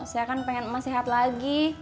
saya kan pengen emas sehat lagi